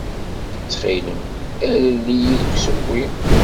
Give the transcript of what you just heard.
Ttxil-m, alel-iyi deg ussewwi.